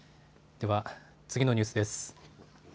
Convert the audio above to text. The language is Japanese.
では、次のニュースです。